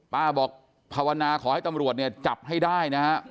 ป้าบอกภาวนาขอให้ตำรวจเนี่ยจับให้ได้นะฮะ